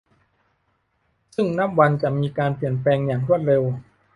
ซึ่งนับวันจะมีการเปลี่ยนแปลงอย่างรวดเร็ว